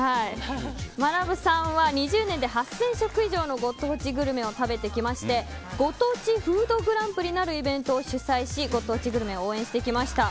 学さんは２０年で８０００食以上のご当地グルメを食べてきましてご当地フードグランプリなるイベントを主催しご当地グルメを応援してきました。